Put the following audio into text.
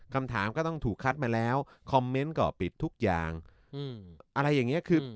คำถามก็ต้องถูกคัดมาแล้วคอมเมนต์ก็ปิดทุกอย่างอะไรอย่างนี้คือ